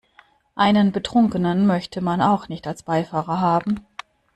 Einen Betrunkenen möchte man auch nicht als Beifahrer haben.